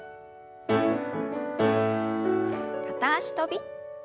片脚跳び。